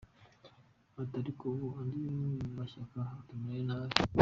Ati ariko ubu, “andi mashyaka atumereye nabi”.